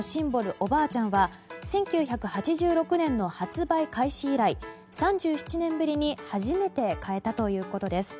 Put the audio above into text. おばあちゃんは１９８６年の発売開始以来３７年ぶりに初めて変えたということです。